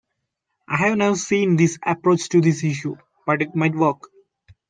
I have never seen this approach to this issue, but it might work.